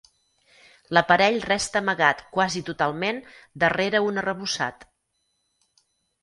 L'aparell resta amagat quasi totalment darrere un arrebossat.